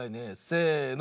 せの。